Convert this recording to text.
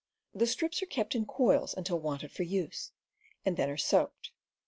The strips are kept in coils until wanted for use, and then are soaked.